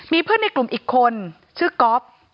มีเพื่อนในกลุ่มอีกคนชื่อก๊อฟ